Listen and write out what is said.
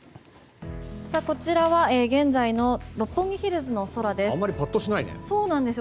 こちらは現在の六本木ヒルズの空です。